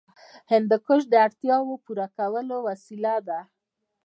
هندوکش د اړتیاوو د پوره کولو وسیله ده.